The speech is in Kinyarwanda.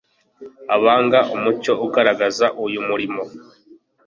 abanga umucyo ugaragaza uyu murimo